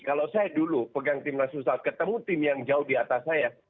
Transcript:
kalau saya dulu pegang tim nasional ketemu tim yang jauh di atas saya